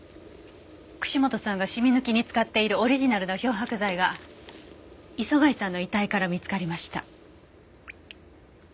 串本さんがシミ抜きに使っているオリジナルの漂白剤が磯貝さんの遺体から見つかりました。